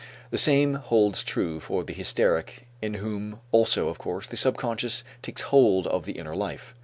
The same holds true for the hysteric in whom also, of course, the subconscious takes hold of the inner life.